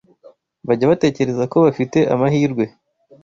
bajya batekereza ko bafite amahirwe